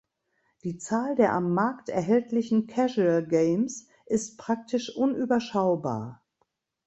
Die Zahl der am Markt erhältlichen Casual Games ist praktisch unüberschaubar.